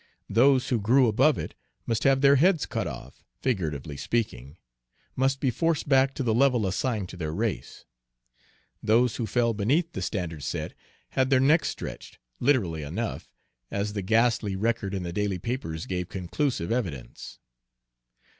Those who grew above it must have their heads cut off, figuratively speaking, must be forced back to the level assigned to their race; those who fell beneath the standard set had their necks stretched, literally enough, as the ghastly record in the daily papers gave conclusive evidence.